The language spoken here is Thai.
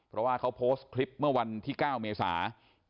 เพราะว่าเขาโพสต์คลิปเมื่อวันที่๙เมษา